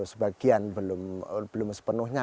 sebagian belum sepenuhnya